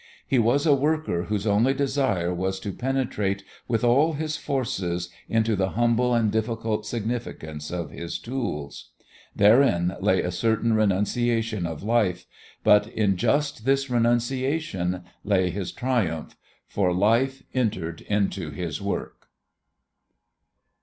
He was a worker whose only desire was to penetrate with all his forces into the humble and difficult significance of his tools. Therein lay a certain renunciation of Life, but in just this renunciation lay his triumph, for Life entered into his work.